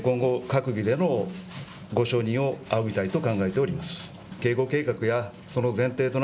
今後、閣議でのご承認を仰ぎたいと考えております。